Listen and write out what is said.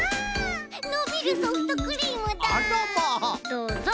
どうぞ。